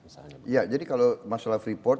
si haini kalau masalah freeport